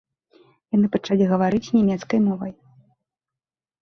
Яны пачалі гаварыць нямецкай мовай.